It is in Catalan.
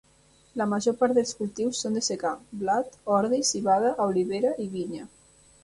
La major part dels cultius són de secà: blat, ordi, civada, olivera i vinya.